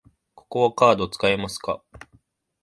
ここはカード使えますか？